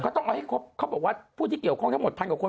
ต้องเอาให้ครบเขาบอกว่าผู้ที่เกี่ยวข้องทั้งหมดพันกว่าคน